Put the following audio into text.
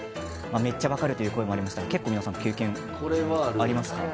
めっちゃ分かるという声もありますけど皆さん経験はありますか？